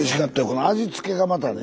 この味付けがまたね。